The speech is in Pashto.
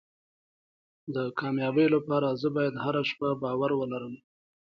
د کامیابۍ لپاره زه باید هره شپه باور ولرم.